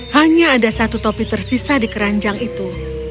hanya ada satu topi tersisa di keranjang itu